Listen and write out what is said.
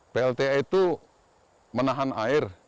plta itu menahan air